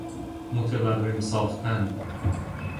متورم ساختن